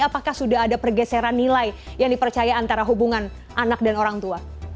apakah sudah ada pergeseran nilai yang dipercaya antara hubungan anak dan orang tua